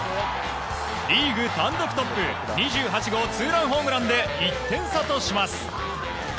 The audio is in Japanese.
リーグ単独トップ２８号ツーランホームランで１点差とします。